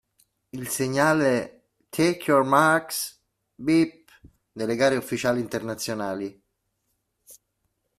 Il segnale "Take your marks… Beep", nelle gare ufficiali internazionali.